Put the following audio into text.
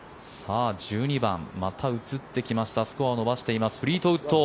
１２番、また映ってきましたスコアを伸ばしていますフリートウッド。